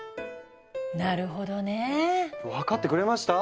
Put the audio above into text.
なるほどね。分かってくれました？